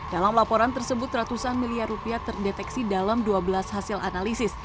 dalam laporan tersebut ratusan miliar rupiah terdeteksi dalam dua belas hasil analisis